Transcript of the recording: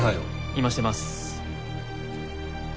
今してます。